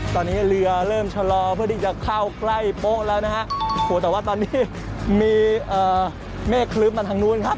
ตอนนี้เรือเริ่มชะลอเพื่อที่จะเข้าใกล้โป๊ะแล้วนะฮะโหแต่ว่าตอนนี้มีเมฆคลึ้มมาทางนู้นครับ